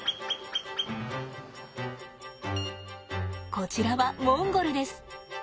こちらはモンゴルです。